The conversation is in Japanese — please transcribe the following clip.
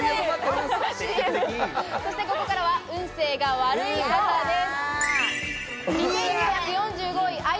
そして、ここからは運勢が悪い方です。